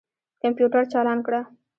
کمپیوټر چالان کړه.